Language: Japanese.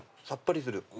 さっぱりする。